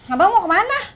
abang mau ke mana